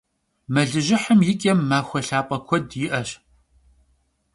Melıjıhım yi ç'em maxue lhap'e kued yi'eş.